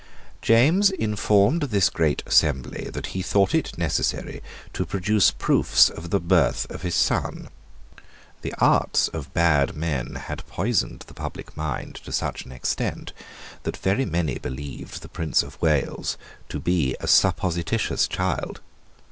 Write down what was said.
James informed this great assembly that he thought it necessary to produce proofs of the birth of his son. The arts of bad men had poisoned the public mind to such an extent that very many believed the Prince of Wales to be a supposititious child.